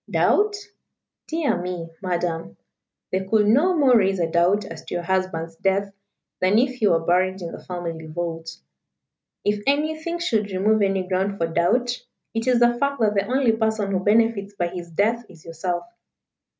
Doubt? Dear me, Madam, they could no more raise a doubt as to your husband's death than if he were buried in the family vault. If anything should remove any ground for doubt, it is the fact that the only person who benefits by his death is yourself.